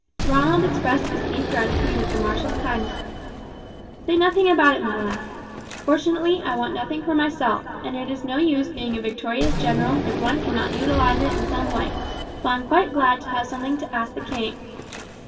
Ronald expressed his deep gratitude at the marshal's kindness. "Say nothing about it, my lad. Fortunately I want nothing for myself, and it is no use being a victorious general if one cannot utilize it in some way; so I am quite glad to have something to ask the king."